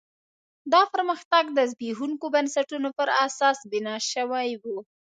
دا پرمختګ د زبېښونکو بنسټونو پر اساس بنا شوی و.